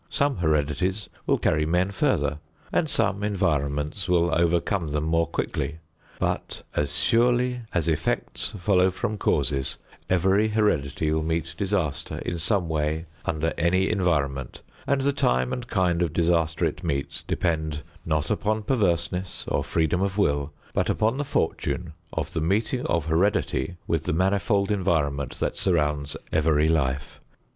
Some heredities will carry men further, and some environments will overcome them more quickly; but as surely as effects follow from causes, every heredity will meet disaster in some way under any environment, and the time and kind of disaster it meets depend not upon perverseness or freedom of will, but upon the fortune of the meeting of heredity with the manifold environment that surrounds every life.